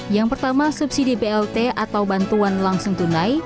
yang pertama subsidi blt atau bantuan langsung tunai